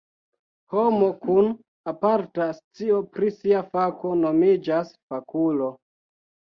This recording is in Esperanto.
Homo kun aparta scio pri sia fako nomiĝas fakulo.